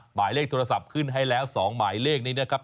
หมายเลขโทรศัพท์ขึ้นให้แล้ว๒หมายเลขนี้นะครับ